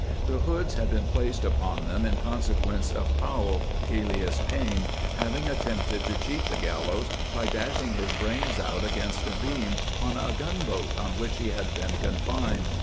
The hoods had been placed upon them in consequence of Powell, alias Payne, having attempted to cheat the gallows by dashing his brains out against a beam on a gunboat on which he had been confined.